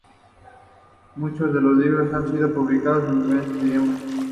Muchos de sus libros han sido publicados en diferentes idiomas.